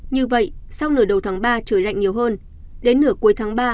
như vậy sau nửa đầu tháng ba trời lạnh nhiều hơn đến nửa cuối tháng ba